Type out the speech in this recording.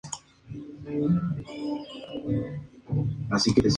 Al retirarse se dedicó a la enseñanza en Helsinki.